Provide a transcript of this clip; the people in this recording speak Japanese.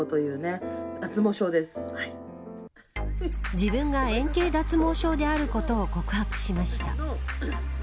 自分が円形脱毛症であることを告白しました。